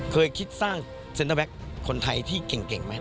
เคยคิดสร้างเซ็นเตอร์แบ็คคนไทยที่เก่งไหม